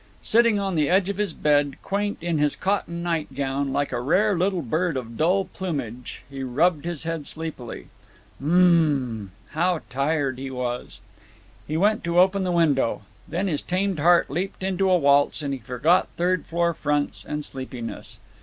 Sitting on the edge of his bed, quaint in his cotton night gown, like a rare little bird of dull plumage, he rubbed his head sleepily. Um m m m m! How tired he was! He went to open the window. Then his tamed heart leaped into a waltz, and he forgot third floor fronts and sleepiness.